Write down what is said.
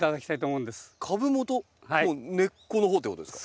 根っこのほうってことですか？